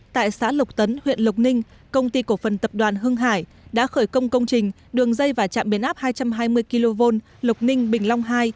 tại xã lộc tấn huyện lộc ninh công ty cổ phần tập đoàn hưng hải đã khởi công công trình đường dây và trạm biến áp hai trăm hai mươi kv lộc ninh bình long hai